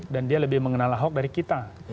dan dia lebih mengenal ahok dari kita